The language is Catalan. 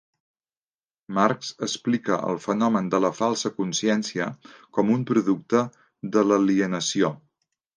Marx explica el fenomen de la falsa consciència com un producte de l'alienació.